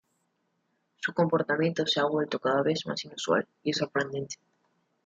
Su comportamiento se ha vuelto cada vez más inusual y sorprendente.